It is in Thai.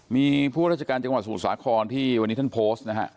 มีผู้ราชการจังหวัดศูนย์สาขรที่วันนี้ท่านโพสต์